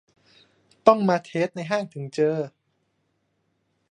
ต้องมาเทสในห้างถึงเจอ